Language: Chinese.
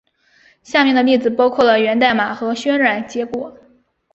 下面的例子包括了源代码和渲染结果。